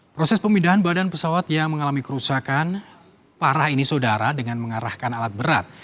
proses pemindahan badan pesawat yang mengalami kerusakan parah ini saudara dengan mengarahkan alat berat